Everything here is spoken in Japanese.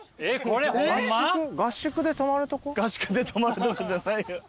合宿で泊まるとこじゃない。